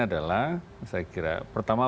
adalah saya kira pertama